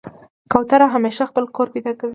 کوتره همیشه خپل کور پیدا کوي.